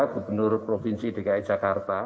gubernur provinsi dki jakarta